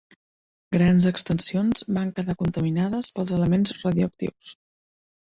Grans extensions van quedar contaminades pels elements radioactius.